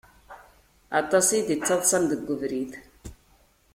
Aṭas iyi-d-yettaḍsan deg ubrid.